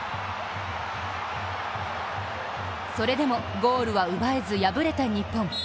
それでもゴールは奪えず、敗れた日本。